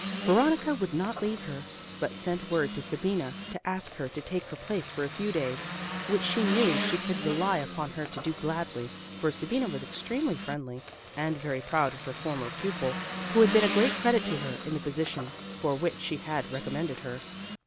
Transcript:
Veronica would not leave her; but sent word to Sabina, to ask her to take her place for a few days, which she knew she could rely upon her to do gladly, for Sabina was extremely friendly, and very proud of her former pupil, who had been a great credit to her in the position for which she had recommended her.